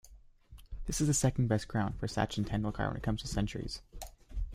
This is the second best ground for Sachin Tendulkar when it comes to centuries.